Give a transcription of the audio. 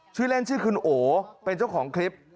ชื่อเล่นชื่อคุณโอเป็นเจ้าของคลิป